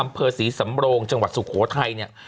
อำเภอศรีสำโลงจังหวัดสุโขทัย